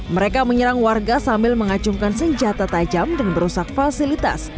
mereka menyerang warga sambil mengacungkan senjata tajam dan merusak fasilitas